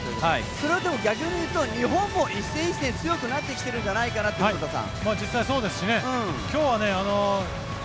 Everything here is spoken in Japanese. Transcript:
それは逆に言うと日本も１戦１戦強くなってきているんじゃないかなと、古田さん。